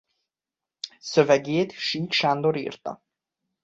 Szövegét Sík Sándor írta.